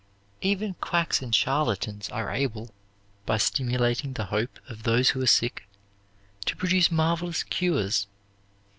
Even quacks and charlatans are able, by stimulating the hope of those who are sick, to produce marvelous cures.